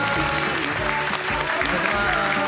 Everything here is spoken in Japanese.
お願いしまーす。